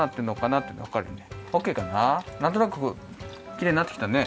なんとなくきれいになってきたね。